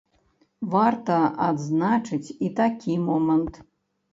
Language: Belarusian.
Варта адзначыць і такі момант.